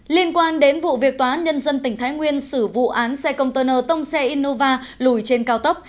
liên quan đến vụ việc tòa án nhân dân tỉnh thái nguyên xử vụ án xe công tơ nơ tông xe innova lùi trên cao tốc